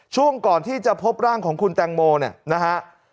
ช่วงก่อนที่จะพบร่างของคุณแตงโมเนี่ยนะฮะ